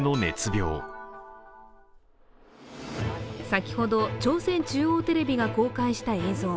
先ほど朝鮮中央テレビが公開した映像。